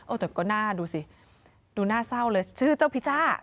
แต่ก็น่าดูสิดูหน้าเศร้าเลยชื่อเจ้าพิซซ่า